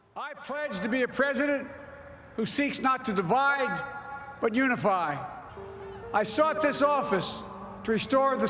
saya berdoa untuk menjadi presiden yang mencari bukan untuk memisahkan tapi untuk berkumpul